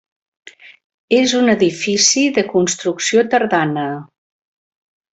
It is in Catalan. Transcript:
És un edifici de construcció tardana.